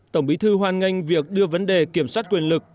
tổng bí thư hoan nghênh việc đưa vấn đề kiểm soát quyền lực